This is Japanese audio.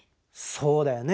そうだよね。